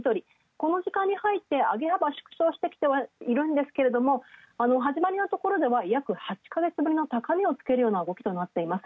この時間にはいって上げ幅縮小してはいますがはじまりのところでは約８ヶ月ぶりの高値をつける動きとなっている。